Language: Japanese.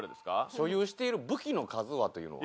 所有している武器の数は？というのは。